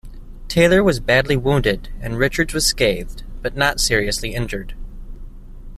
Taylor was badly wounded and Richards was scathed, but not seriously injured.